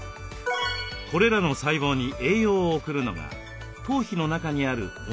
これらの細胞に栄養を送るのが頭皮の中にある毛細血管です。